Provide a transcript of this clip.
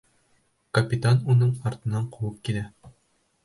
Капитан уның артынан ҡыуып килә.